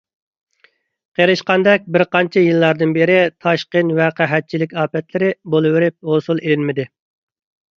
قېرىشقاندەك بىر قانچە يىللاردىن بېرى تاشقىن ۋە قەھەتچىلىك ئاپەتلىرى بولىۋېرىپ، ھوسۇل ئېلىنمىدى.